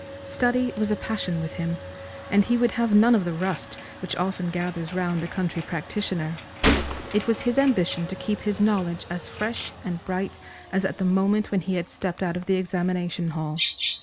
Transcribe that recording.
Study was a passion with him, and he would have none of the rust which often gathers round a country practitioner. It was his ambition to keep his knowledge as fresh and bright as at the moment when he had stepped out of the examination hall.